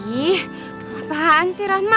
ih apaan sih rahma